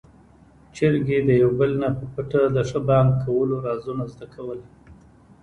چرګې د يو بل نه په پټه د ښه بانګ کولو رازونه زده کول.